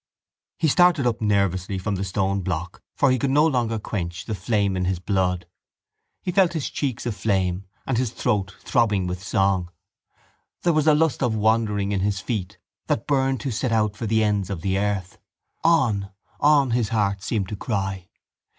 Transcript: He started up nervously from the stoneblock for he could no longer quench the flame in his blood. He felt his cheeks aflame and his throat throbbing with song. There was a lust of wandering in his feet that burned to set out for the ends of the earth. On! On! his heart seemed to cry.